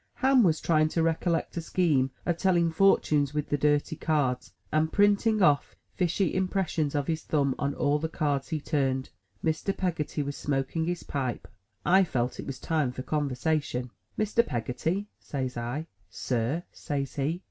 Ham was trying to recollect a scheme of telling fortunes with the dirty cards, and printing off fishy impressions of his thumb on all the cards he turned. Mr. Peggotty was smoking his pipe. I felt it was a time for conversation. ''Mr. Peggotty!" says I. "Sir,'' says he.